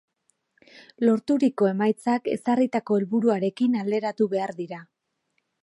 Lorturiko emaitzak, ezarritako helburuarekin alderatu behar dira.